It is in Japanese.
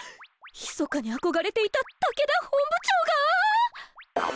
ひそかに憧れていた武田本部長が！？